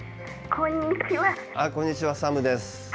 こんにちは、ＳＡＭです。